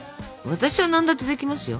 私は何だってできますよ。